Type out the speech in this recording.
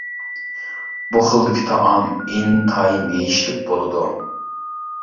بۇ خىلدىكى تائام ئىنتايىن يېيىشلىك بولىدۇ.